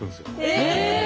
え！